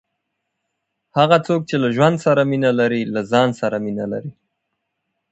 هغه څوک، چي له ژوند سره مینه لري، له ځان سره مینه لري.